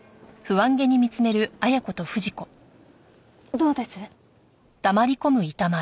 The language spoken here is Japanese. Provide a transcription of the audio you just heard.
どうです？